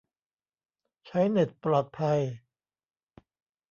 ใช้เน็ตปลอดภัย